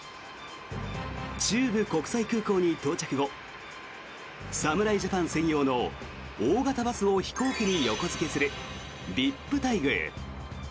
中部国際空港に到着後侍ジャパン専用の大型バスを飛行機に横付けするＶＩＰ待遇。